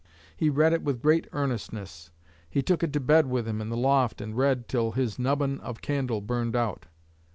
He read it with great earnestness. He took it to bed with him in the loft and read till his 'nubbin' of candle burned out.